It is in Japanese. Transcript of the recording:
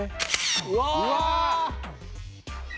うわ！